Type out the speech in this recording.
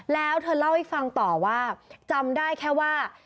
แล้วเธอเล่าให้ฟังต่อว่าจำได้แค่ว่า